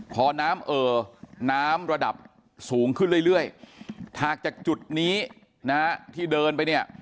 พอน้ำเอ่อน้ำระดับสูงขึ้นเรื่อยถากจากจุดนี้นะฮะที่เดินไปเนี่ย